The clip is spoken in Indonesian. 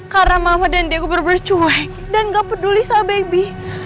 karena mama dan diego bener bener cuek dan gak peduli sama bebi